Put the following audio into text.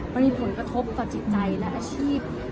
มันมีผลกระทบต่อจิตใจและอาชีพ